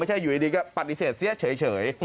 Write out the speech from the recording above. ไม่ใช่อยู่ดีก็ปฏิเสธเสียเฉย